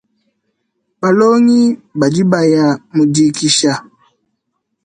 Balongi badi baya mu dikisha.